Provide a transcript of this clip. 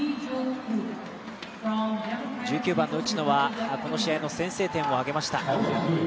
１９番の内野はこの試合の先制点を挙げました。